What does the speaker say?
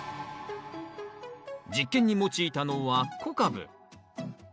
実験に用いたのは小カブ。